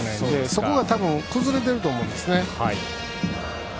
そこが多分、崩れてると思うんですね。